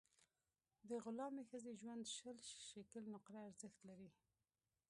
د غلامي ښځې ژوند شل شِکِل نقره ارزښت لري.